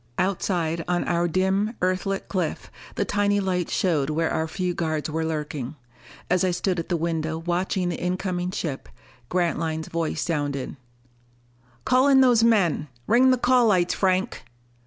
Outside on our dim, Earthlit cliff, the tiny lights showed where our few guards were lurking. As I stood at the window watching the incoming ship, Grantline's voice sounded: "Call in those men! Ring the call lights, Franck!"